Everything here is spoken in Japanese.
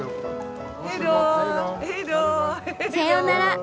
さようなら。